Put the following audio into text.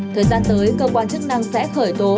thời gian tới cơ quan chức năng sẽ khởi tố